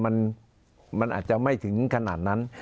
มันอาจจะไม่ถึงขนาดนั้น